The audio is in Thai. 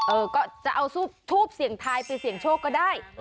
เออก็จะเอาทูบเสี่ยงทายไปเสี่ยงโชคก็ได้